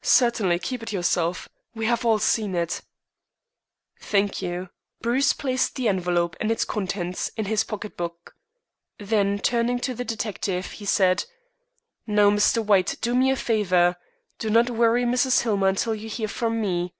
"Certainly, keep it yourself. We have all seen it." "Thank you." Bruce placed the envelope and its contents in his pocket book. Then, turning to the detective, he said: "Now, Mr. White, do me a favor. Do not worry Mrs. Hillmer until you hear from me."